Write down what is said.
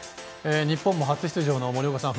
日本も初出場の、森岡さん